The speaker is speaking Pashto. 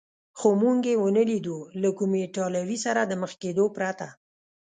خو موږ یې و نه لیدو، له کوم ایټالوي سره د مخ کېدو پرته.